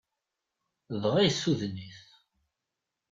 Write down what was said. Dɣa yessuden-it.